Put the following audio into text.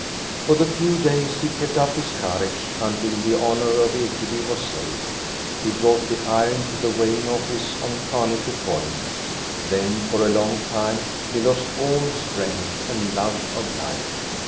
For the few days he kept up his courage, until the honor of Ekeby was saved. He brought the iron to the weighing ofBce on Kanike point ; then for a long time he lost all strength and love of life.